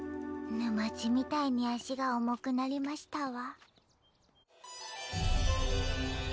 沼地みたいに足が重くなりましたわ。